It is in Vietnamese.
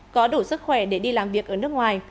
có đủ sức khỏe để đi làm việc ở nước ngoài